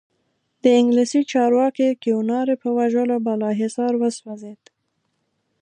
د انګلیسي چارواکي کیوناري په وژلو بالاحصار وسوځېد.